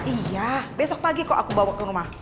iya besok pagi kok aku bawa ke rumah